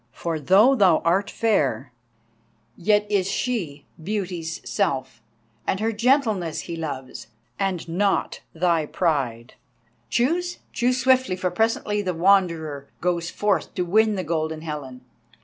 For though thou art fair, yet is she Beauty's self, and her gentleness he loves, and not thy pride. Choose, choose swiftly for presently the Wanderer goes forth to win the Golden Helen."